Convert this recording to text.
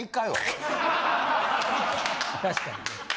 確かにね。